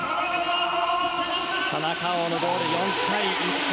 田中碧のゴール、４対１。